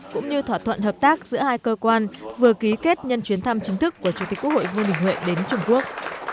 cũng như thỏa thuận hợp tác giữa hai cơ quan vừa ký kết nhân chuyến thăm chính thức của chủ tịch quốc hội vương đình huệ đến trung quốc